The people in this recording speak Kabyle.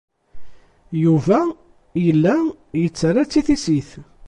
Yuba yella yettarra-tt i tissit.